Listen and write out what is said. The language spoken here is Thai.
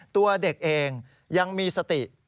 ตัวเด็กเองยังมีสติ